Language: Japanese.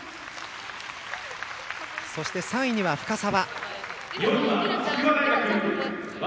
そして３位には深沢。